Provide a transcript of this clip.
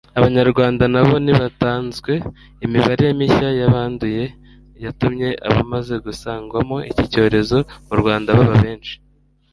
Abanyarwanda na bo ntibatanzwe. Imibare mishya y'abanduye yatumye abamaze gusangwamo iki cyorezo mu Rwanda baba benshi